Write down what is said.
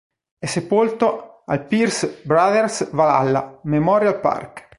È sepolto al Pierce Brothers Valhalla Memorial Park.